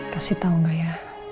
kasih tau nggak ya